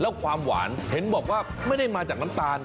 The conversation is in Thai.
แล้วความหวานเห็นบอกว่าไม่ได้มาจากน้ำตาล